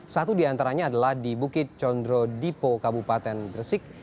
satu di antaranya adalah di bukit condro dipo kabupaten gresik